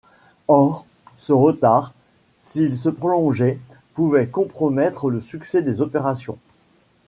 Or, ce retard, s’il se prolongeait, pouvait compromettre le succès des opérations.